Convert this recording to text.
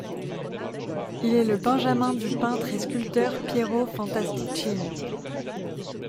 Il est le benjamin du peintre et sculpteur Piero Fantastichini.